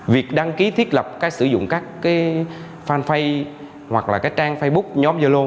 việc đăng ký thiết lập cái sử dụng các cái fanpage hoặc là cái trang facebook nhóm yolo